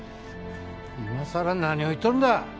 今さら何を言っとるんだ。